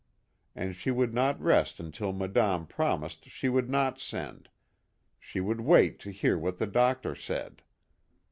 And she would not rest until Madame prom ised she would not send she would wait to hear what the doctor said.